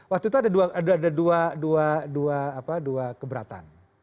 waktu itu ada dua keberatan